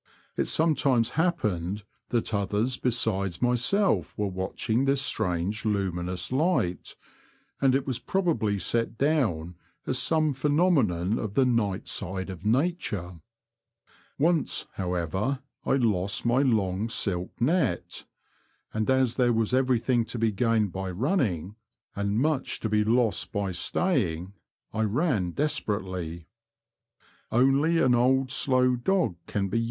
It some times happened that others besides myself were watching this strange luminous light, and it was probably set down as some phenomenon of the night side of nature. Once, however, I lost my long silk net, and as there was everything to be gained by running, and much , iii'i/yf .